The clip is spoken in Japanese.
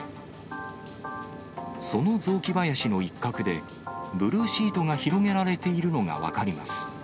その雑木林の一角で、ブルーシートが広げられているのが分かります。